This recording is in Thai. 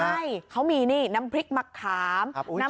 ใช่เขามีนี่น้ำพริกมะขาม